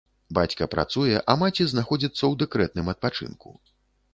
Бацька працуе, а маці знаходзіцца ў дэкрэтным адпачынку.